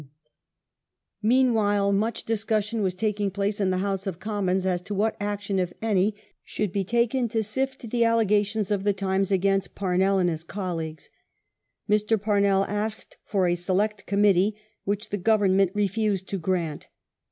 '• Parnell Meanwhile, much discussion was taking place in the House of Crime" Commons as to what action, if any, should be taken to sift the allegations of The Times against Parnell and his colleagues. Mr. Parnell asked for a Select Committee which the Government refused to grant.